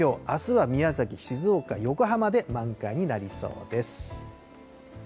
あすは宮崎、静岡、横浜で満開になりそうです。